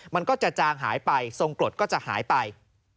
มันก็จะจางหายไปทรงกรดก็จะหายไป